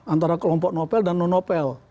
antara kelompok nopel dan non nopel